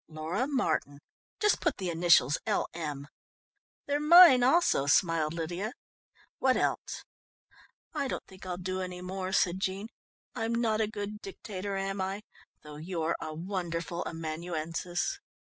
"Laura Martin. Just put the initials L.M." "They're mine also," smiled Lydia. "What else?" "I don't think I'll do any more," said Jean. "I'm not a good dictator, am I? Though you're a wonderful amanuensis."